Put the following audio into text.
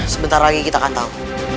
sebentar lagi kita akan tahu